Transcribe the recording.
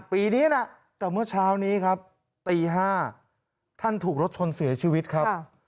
ปีนี้นะแต่เมื่อเช้านี้ครับตี๕ท่านถูกรถชนเสียชีวิตครับ